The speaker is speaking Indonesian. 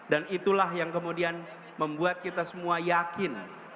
dan itulah yang kemudian membuat kita semua yakin